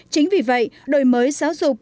chính vì vậy đổi mới giáo dục